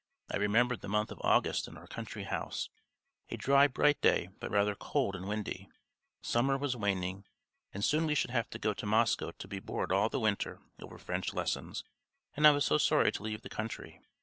I remembered the month of August in our country house: a dry bright day but rather cold and windy; summer was waning and soon we should have to go to Moscow to be bored all the winter over French lessons, and I was so sorry to leave the country.